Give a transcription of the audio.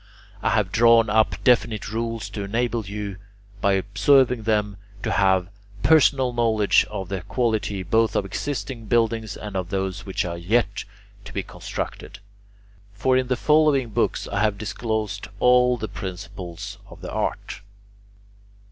I have drawn up definite rules to enable you, by observing them, to have personal knowledge of the quality both of existing buildings and of those which are yet to be constructed. For in the following books I have disclosed all the principles of the art.